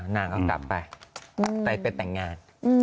นางก็กลับไปไปแต่งงาน